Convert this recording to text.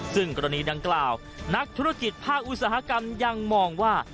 ซึ่งกรณีดังกล่าวนักธุรกิจภาคอุตสาหกรรมยังมองว่า